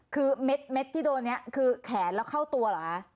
คือเม็ดที่โดนนี้คือแขนแล้วเข้าตัวเหรอคะ